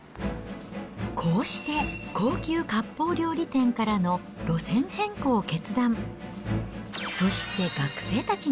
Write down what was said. こうして高級割烹料理店からの路線変更を決断。